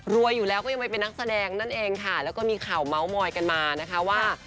อยู่แล้วก็ยังไม่เป็นนักแสดงนั่นเองค่ะแล้วก็มีข่าวเมาส์มอยกันมานะคะว่า